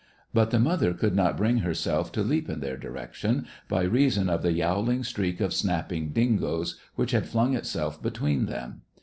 But the mother could not bring herself to leap in their direction by reason of the yowling streak of snapping dingoes which had flung itself between them.